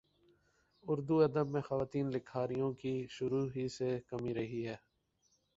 اردو ادب میں خواتین لکھاریوں کی شروع ہی سے کمی رہی ہے